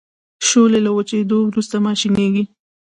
شولې له وچیدو وروسته ماشینیږي.